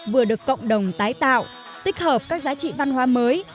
vừa được cộng đồng tái tạo tích hợp các giá trị văn hóa mới